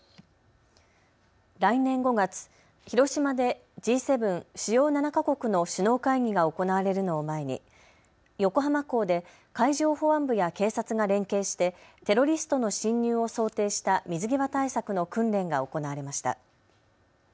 来年５月、広島でＧ７・主要７か国の首脳会議が行われるのを前に横浜港で海上保安部や警察が連携してテロリストの侵入を想定した水際対策の訓練が行われました。